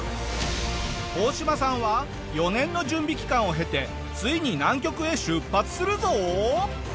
オオシマさんは４年の準備期間を経てついに南極へ出発するぞ！